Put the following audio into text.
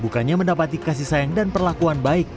bukannya mendapati kasih sayang dan perlakuan baik